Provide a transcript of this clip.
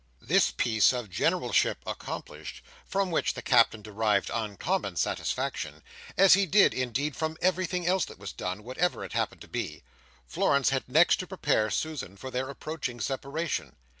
This piece of generalship accomplished; from which the Captain derived uncommon satisfaction, as he did, indeed, from everything else that was done, whatever it happened to be; Florence had next to prepare Susan for their approaching separation.